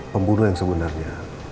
pembunuh yang sebenarnya